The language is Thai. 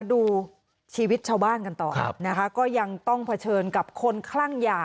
ดูชีวิตชาวบ้านกันต่อนะคะก็ยังต้องเผชิญกับคนคลั่งยา